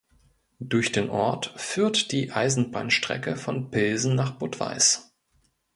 Durch den Ort führt die Eisenbahnstrecke von Pilsen nach Budweis.